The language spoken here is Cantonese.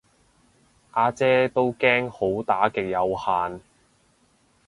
呀姐都驚好打極有限